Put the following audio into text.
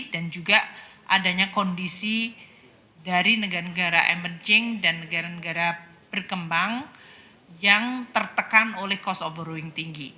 dan juga adanya kondisi dari negara negara emerging dan negara negara berkembang yang tertekan oleh cost of borrowing tinggi